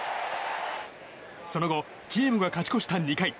その後チームが勝ち越した２回。